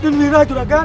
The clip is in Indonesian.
kami mau laporan juragan